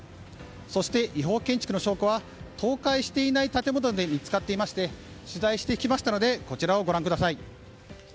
そして、違法建築の証拠は倒壊していない建物で見つかっていまして取材してきましたのでこちらをご覧ください。